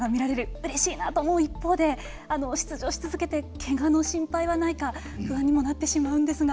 うれしいなと思う一方で出場し続けてけがの心配はないか不安にもなってしまうんですが。